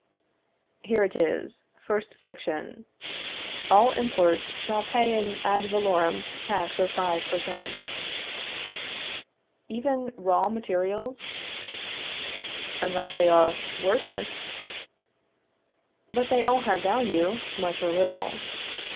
Here it is: Section First. All imports shall pay an ad valorem tax of five per cent. Even raw materials? Unless they are worthless. But they all have value, much or little.